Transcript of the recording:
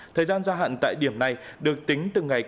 thời gian gia hạn tại điểm này được tính từ ngày